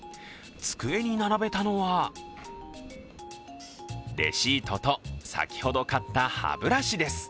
机に並べたのはレシートと、先ほど買った歯ブラシです。